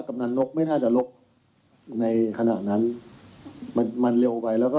กำลังนกไม่น่าจะลบในขณะนั้นมันมันเร็วไปแล้วก็